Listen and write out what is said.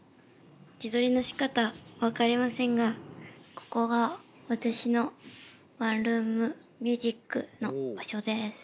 自撮りのしかた分かりませんがここが私のワンルーム☆ミュージックの場所です。